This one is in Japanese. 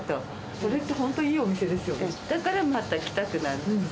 それって本当いいお店ですよだからまた来たくなる。